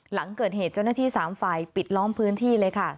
หลังเกิดเหตุเจ้าหน้าที่๓ฝ่ายปิดล้อมพื้นที่เลยค่ะ